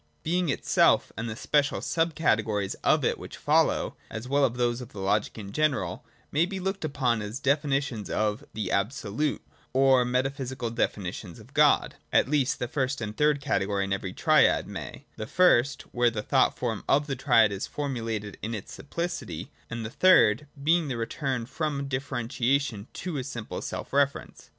85. J Being itself and the special sub categories of it which follow, as well as those of logic in general, may be looked upon as definitions of the Absolute, or meta physical definitions of God : at least the first and third category in every triad may, — the first, where the thought form of the triad is formulated in its simplicity, and the third, being the return from differentiation to a simple self reference.